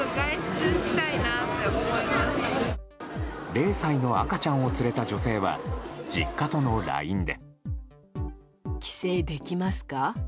０歳の赤ちゃんを連れた女性は実家とのＬＩＮＥで。